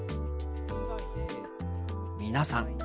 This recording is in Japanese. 皆さん